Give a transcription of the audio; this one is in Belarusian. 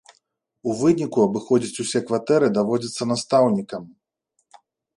У выніку абыходзіць усе кватэры даводзіцца настаўнікам.